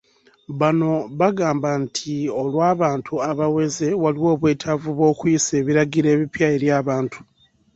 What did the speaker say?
Bano bagamba nti olw'abantu abaweze waliwo obwetaavu bw'okuyisa ebiragiro ebipya eri abantu.